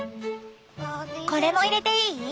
これも入れていい？